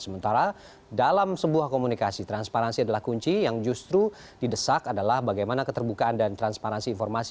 sementara dalam sebuah komunikasi transparansi adalah kunci yang justru didesak adalah bagaimana keterbukaan dan transparansi informasi